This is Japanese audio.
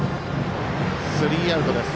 スリーアウトです。